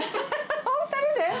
お２人で？